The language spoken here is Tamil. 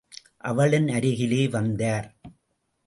அவளின் அருகிலே வந்தார்.